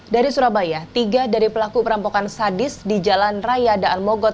dari surabaya tiga dari pelaku perampokan sadis di jalan raya daan mogot